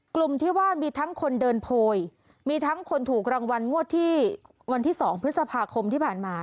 กลุ่มที่ว่ามีทั้งคนเดินโพยมีทั้งคนถูกรางวัลงวดที่วันที่๒พฤษภาคมที่ผ่านมา